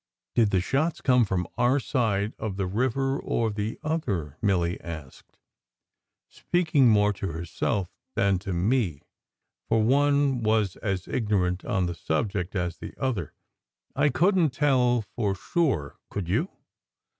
"Did the shots come from our side of the river, or the other?" Milly asked, speaking more to herself than to me, for one was as ignorant on the subject as the other. "7 couldn t tell for sure, could you?"